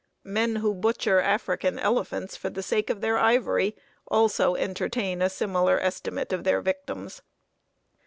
Men who butcher African elephants for the sake of their ivory also entertain a similar estimate of their victims.